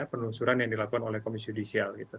penelusuran yang dilakukan oleh komisi judisial